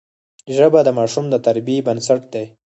ژبه د ماشوم د تربیې بنسټ دی